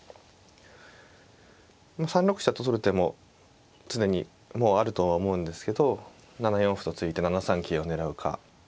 ３六飛車と取る手も常にあるとは思うんですけど７四歩と突いて７三桂を狙うか。